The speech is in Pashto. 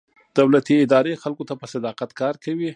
دولتي ادارې خلکو ته په صداقت کار کوي.